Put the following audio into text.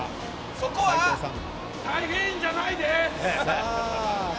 そこは大変じゃないで！